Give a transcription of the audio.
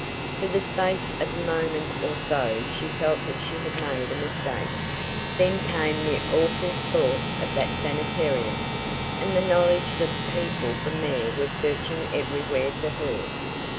For the space of a moment or so she felt that she had made a mistake, then came the awful thought of that sanitarium, and the knowledge that the people from there were searching everywhere for her.